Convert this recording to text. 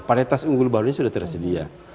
paritas unggul barunya sudah tersedia